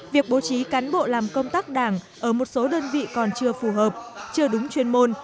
việc bố trí cán bộ làm công tác đảng ở một số đơn vị còn chưa phù hợp chưa đúng chuyên môn